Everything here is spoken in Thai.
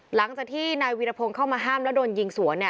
หลังจากที่นายวีรพงศ์เข้ามาห้ามแล้วโดนยิงสวนเนี่ย